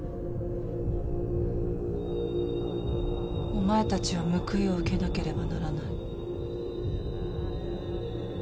お前たちは報いを受けなければならない。